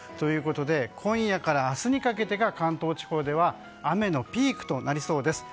今夜から明日にかけてが関東地方では雨のピークとなりそうです。